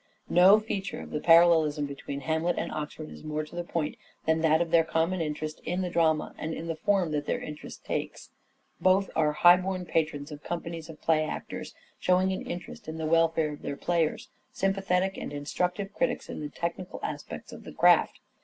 No feature of the parallelism between Hamlet and Oxford is more to the point than that of their common interest in the drama, and the form that their 476 " SHAKESPEARE " IDENTIFIED Patron of drama and dramatist. Minor points. interest takes. Both are high born patrons of companies of play actors, showing an interest in the welfare of their players, sympathetic and instructive critics in the technical aspects of the craft.